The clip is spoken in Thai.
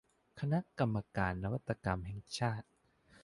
คณะกรรมการนวัตกรรมแห่งชาติ